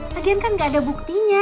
lagian kan gak ada buktinya